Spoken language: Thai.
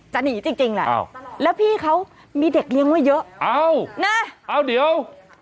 หนีจริงแหละแล้วพี่เขามีเด็กเลี้ยงไว้เยอะเอานะเอาเดี๋ยว